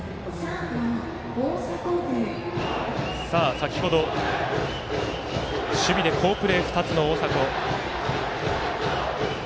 先ほど、守備で好プレー２つの大迫。